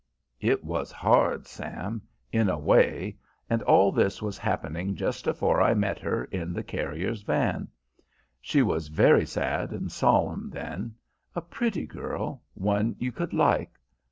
"It was hard, Sam, in a way, and all this was happening just afore I met her in the carrier's van. She was very sad and solemn then; a pretty girl, one you could like.